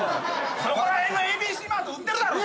そこら辺のＡＢＣマートに売ってるだろ！